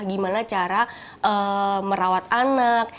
gimana cara merawat anak